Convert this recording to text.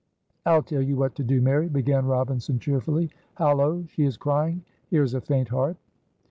"I'll tell you what to do, Mary," began Robinson, cheerfully. "Hallo! she is crying. Here is a faint heart."